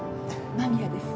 間宮です。